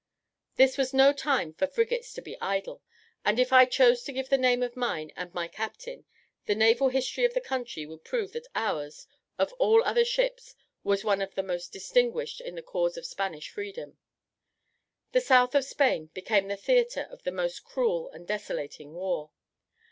This was no time for frigates to be idle; and if I chose to give the name of mine and my captain, the naval history of the country would prove that ours, of all other ships, was one of the most distinguished in the cause of Spanish freedom. The south of Spain became the theatre of the most cruel and desolating war.